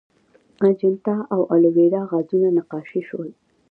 اجنتا او ایلورا غارونه نقاشي شول.